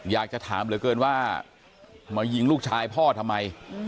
อยากจะถามเหลือเกินว่ามายิงลูกชายพ่อทำไม